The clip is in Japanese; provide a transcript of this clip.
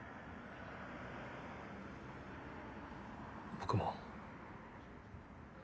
僕も。